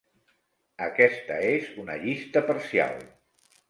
"Aquesta és una llista parcial:"